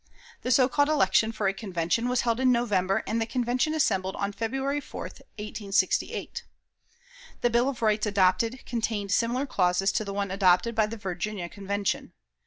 The so called election for a Convention was held in November, and the Convention assembled on February 14, 1868. The Bill of Rights adopted contained similar clauses to the one adopted by the Virginia Convention.